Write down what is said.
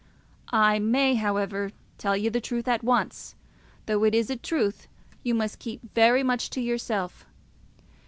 I may, however, tell you the truth at once, though it is a truth you must keep very much to yourself.